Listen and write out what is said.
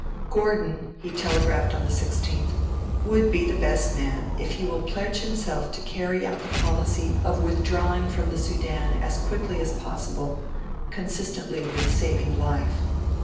'Gordon,' he telegraphed on the 16th, 'would be the best man if he will pledge himself to carry out the policy of withdrawing from the Sudan as quickly as is possible, consistently with saving life.